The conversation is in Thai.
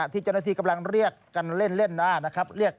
ที่จัฏยกำลังได้เรียกกันเล่นเร่มงานนะครับ